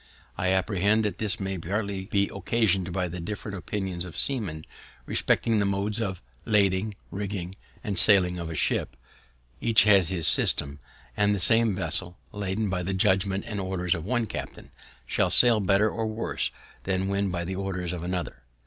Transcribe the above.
I apprehend that this may partly be occasion'd by the different opinions of seamen respecting the modes of lading, rigging, and sailing of a ship; each has his system; and the same vessel, laden by the judgment and orders of one captain, shall sail better or worse than when by the orders of another.